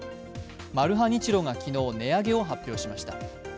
マルハニチロが昨日、値上げを発表しました。